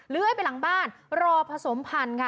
เลื้อยไปหลังบ้านรอผสมพันธุ์ค่ะ